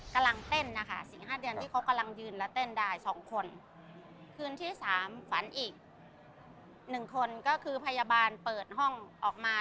คืนที่๓ฝันอีก๑คนก็คือพยาบาลเปิดห้องออกมา